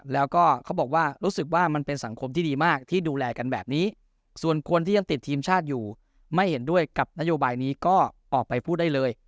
แล้วก็เขาบอกว่ารู้สึกว่ามันเป็นสังคมที่ดีมากที่ดูแลกันแบบนี้ส่วนคนที่ยังติดทีมชาติอยู่ไม่เห็นด้วยกับนโยบายนี้ก็ออกไปพูดได้เลย